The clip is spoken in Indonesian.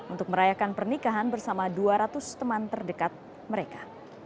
untuk merayakan pernikahan bersama dua ratus teman terdekat mereka